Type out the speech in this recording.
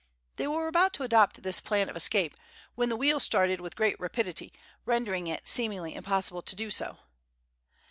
They were about to adopt this plan of escape, when the wheel started with great rapidity, rendering it seemingly impossible to do so.